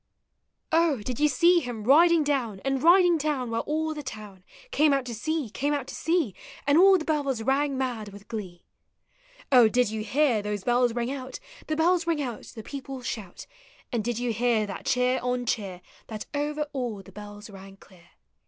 On, did you see him riding down. And riding down, while all the town Came out to see, came out to see, And all the bells rang mad with glee? Oh, did you hear those bells ring out, The bells Hug out. the people shout. And did you hear that cheer on cheer That over all the bells rang clear?